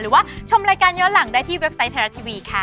ชมรายการย้อนหลังได้ที่เว็บไซต์ไทยรัฐทีวีค่ะ